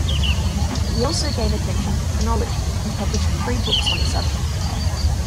He also gave attention to phrenology, and published three books on the subject.